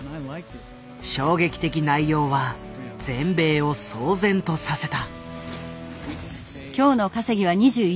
衝撃的内容は全米を騒然とさせた。